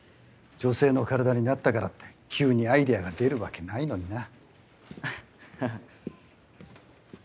女性の体になったからって急にアイデアが出るわけないのにな。